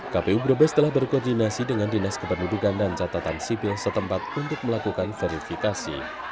kpu brebes telah berkoordinasi dengan dinas kependudukan dan catatan sipil setempat untuk melakukan verifikasi